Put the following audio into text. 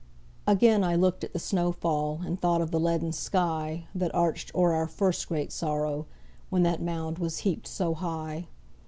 Again I looked at the snow fall, And thought of the leaden sky That arched o'er our first great sorrow, When that mound was heaped so high.